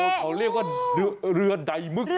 เขาเรียกว่าเรือใดหมึกใดหมึก